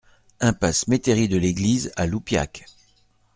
Impasse Métairie de l'Eglise à Loupiac